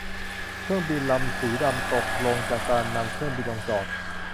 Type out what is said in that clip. เครื่องบินลำสีดำตกลงจากการนำเครื่องบินลงจอด